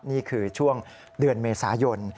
นี่คือช่วงเดือนเมษายน